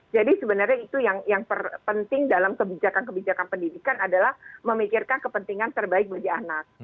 jadi sebenarnya itu yang penting dalam kebijakan kebijakan pendidikan adalah memikirkan kepentingan terbaik bagi anak